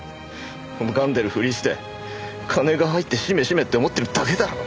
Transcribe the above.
拝んでるふりして金が入ってしめしめって思ってるだけだろう。